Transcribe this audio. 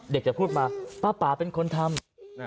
เด็กจะพูดมาป๊าป๊าเป็นคนทำ